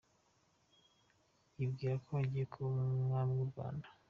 yibwira ko agiye kuba umwami w’u Rwanda.